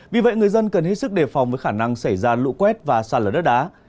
vì vậy người dân cần hết sức đề phòng với khả năng xảy ra lũ quét và xa lở đất đá